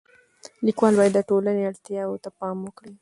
لیکوال باید د ټولنې اړتیاو ته پام وکړي.